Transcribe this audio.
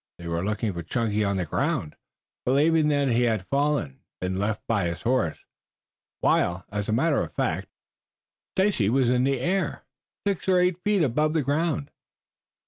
They were looking for Chunky on the ground, believing that he had fallen and been left by his horse, while as a matter of fact Stacy was in the air, six or eight feet above the ground.